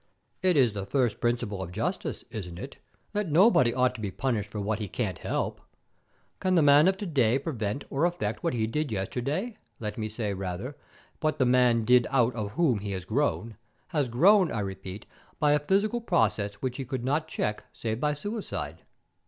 "It is the first principle of justice, isn't it, that nobody ought to be punished for what he can't help? Can the man of to day prevent or affect what he did yesterday, let me say, rather, what the man did out of whom he has grown has grown, I repeat, by a physical process which he could not check save by suicide.